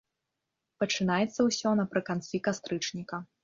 Пачынаецца ўсё напрыканцы кастрычніка.